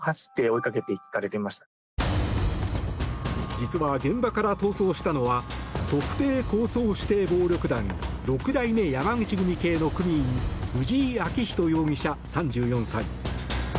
実は、現場から逃走したのは特定抗争指定暴力団六代目山口組系の組員藤井紋寛容疑者、３４歳。